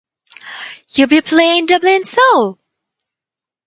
You'll be playing Dublin Soul!